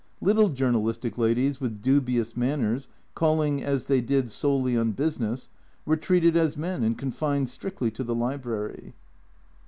Little journalistic ladies with dubious manners, calling, as they did, solely on business, were treated as men and confined strictly to the library.